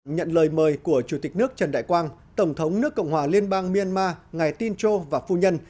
nhận lời mời của chủ tịch nước trần đại quang tổng thống nước cộng hòa liên bang myanmar ngài tincha và phu nhân